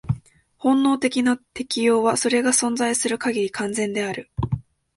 本能的な適応は、それが存在する限り、完全である。